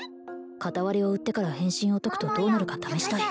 片割れを売ってから変身を解くとどうなるか試したい